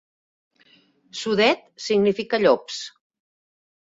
Sudet significa llops.